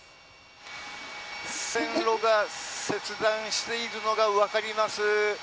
線路が切断しているのが分かります。